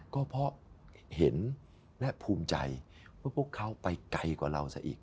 ก็เพราะเห็นและภูมิใจว่าพวกเขาไปไกลกว่าเราซะอีก